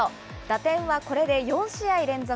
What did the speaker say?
打点はこれで４試合連続。